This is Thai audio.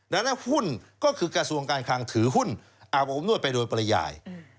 ดังนั้นหุ้นก็คือกระทรวงการคลังถือหุ้นอาบอบนวดไปโดยปริยาย